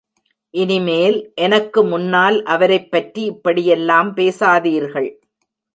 இனிமேல் எனக்கு முன்னால் அவரைப்பற்றி இப்படியெல்லாம் பேசாதீர்கள்.